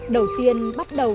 đầu tiên bắt đầu